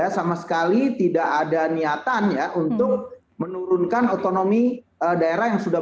sama sekali tidak ada niatan ya untuk menurunkan otonomi daerah yang sudah